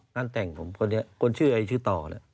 งานแต่งผมคนชื่ออะไรชื่อต่อ